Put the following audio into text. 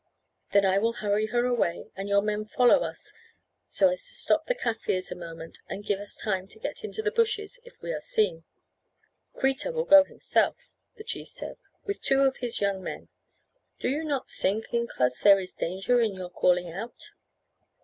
Then I will hurry her away, and your men follow us so as to stop the Kaffirs a moment and give us time to get into the bushes if we are seen." "Kreta will go himself," the chief said, "with two of his young men. Do you not think, incos, that there is danger in your calling out?"